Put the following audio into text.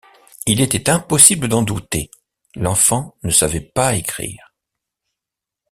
Il était impossible d’en douter ; l’enfant ne savait pas écrire.